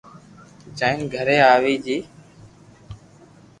جائين گھري آوي جي